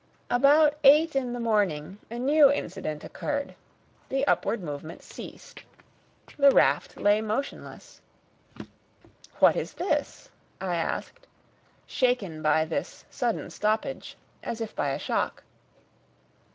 About eight in the morning a new incident occurred. The upward movement ceased. The raft lay motionless. "What is this?" I asked, shaken by this sudden stoppage as if by a shock.